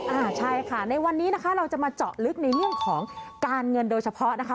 อ่าใช่ค่ะในวันนี้นะคะเราจะมาเจาะลึกในเรื่องของการเงินโดยเฉพาะนะคะ